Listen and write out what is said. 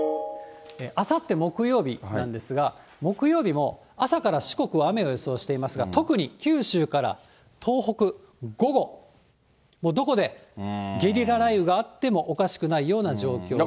あさって木曜日なんですが、木曜日も朝から四国は雨を予想していますが、特に九州から東北、午後もうどこでゲリラ雷雨があってもおかしくないような状況です。